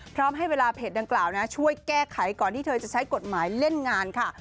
พร้อมให้เวลาเพจดังกล่าวช่วยแก้ไขก่อนที่เธอจะใช้กฎหมายเล่นงานค่ะ